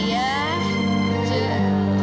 yang kurang juga nih